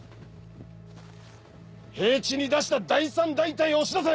平地に出した第三大隊を押し出せ！